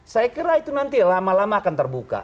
saya kira itu nanti lama lama akan terbuka